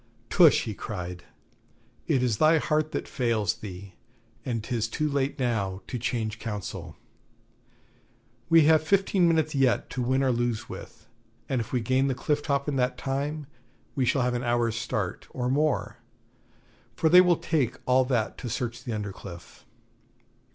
'Tush!' he cried; 'it is thy heart that fails thee, and 'tis too late now to change counsel. We have fifteen minutes yet to win or lose with, and if we gain the cliff top in that time we shall have an hour's start, or more, for they will take all that to search the under cliff.